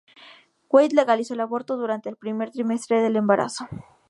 Wade legalizó el aborto durante el primer trimestre del embarazo.